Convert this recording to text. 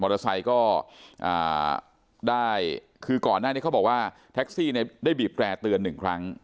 มอเตอร์ไซค์ก็ได้คือก่อนหน้านี้เขาบอกว่าแท็กซี่ได้บีบแกร่เตือน๑ครั้ง